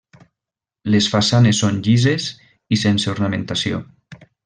Les façanes són llises i sense ornamentació.